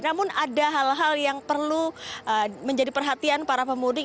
namun ada hal hal yang perlu menjadi perhatian para pemudik